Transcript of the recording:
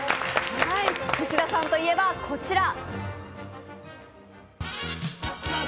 串田さんといえばこちら。